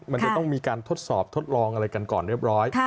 มันจะต้องมีการทดสอบทดลองอะไรกันก่อนเรียบร้อย